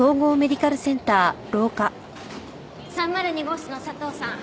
３０２号室の佐藤さん